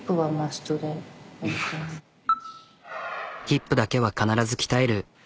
ヒップだけは必ず鍛える。